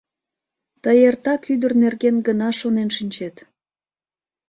Тый эртак ӱдыр нерген гына шонен шинчет...